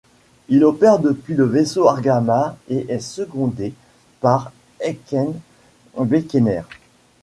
Il opère depuis le vaisseau Argama et est secondé par Henken Bekkener.